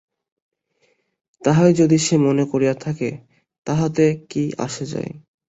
তাহাই যদি সে মনে করিয়া থাকে তাহাতে কী আসে যায়?